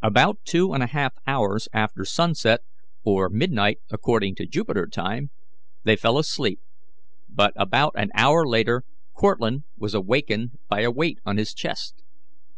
About two and a half hours after sunset, or midnight according to Jupiter time, they fell asleep, but about an hour later Cortlandt was awakened by a weight on his chest.